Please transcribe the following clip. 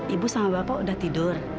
ibu sama bapak udah tidur